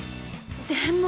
でも。